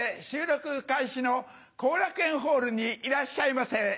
収録開始の後楽園ホールにいらっしゃいませ。